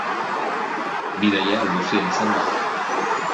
Bidaia luzea izan da.